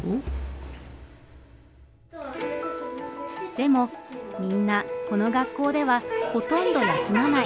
でもみんなこの学校ではほとんど休まない。